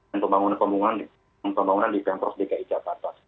untuk pembangunan di pempros dki jakarta